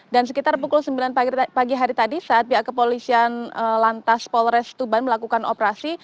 sekitar pukul sembilan pagi hari tadi saat pihak kepolisian lantas polres tuban melakukan operasi